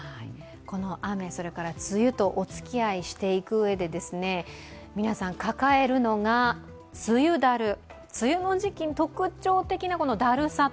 この雨、それから梅雨とおつきあいしていくうえで、皆さん、抱えるのが梅雨だる。